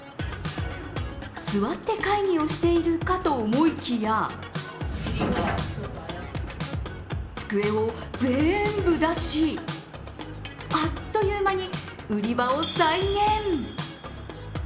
座って会議をしているかと思いきや机を全部出し、あっという間に売り場を再現。